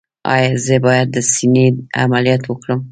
ایا زه باید د سینې عملیات وکړم؟